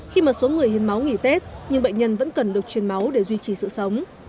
khi mà số người hiến máu nghỉ tết nhưng bệnh nhân vẫn cần được truyền máu để duy trì sự sống